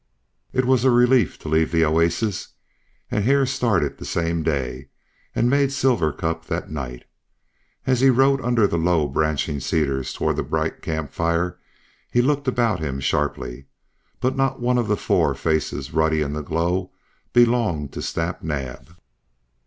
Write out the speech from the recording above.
It was a relief to leave the oasis, and Hare started the same day, and made Silver Cup that night. As he rode under the low branching cedars toward the bright camp fire he looked about him sharply. But not one of the four faces ruddy in the glow belonged to Snap Naab.